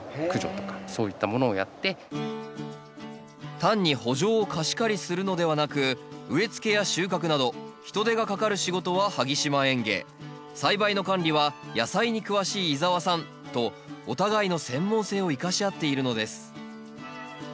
単に圃場を貸し借りするのではなく植えつけや収穫など人手がかかる仕事は萩島園芸栽培の管理は野菜に詳しい井沢さんとお互いの専門性を生かし合っているのです。